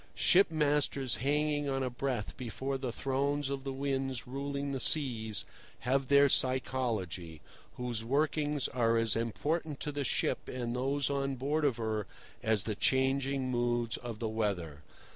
Shipmasters hanging on a breath before the thrones of the winds ruling the seas have their psychology, whose workings are as important to the ship and those on board of her as the changing moods of the weather.